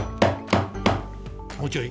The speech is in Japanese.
もうちょい？